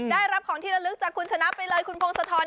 ได้รับของที่ละลึกจากคุณชนะไปเลยคุณพงศธร